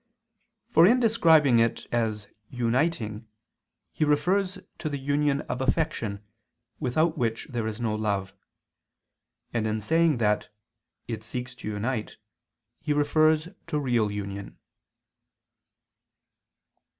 For in describing it as "uniting" he refers to the union of affection, without which there is no love: and in saying that "it seeks to unite," he refers to real union.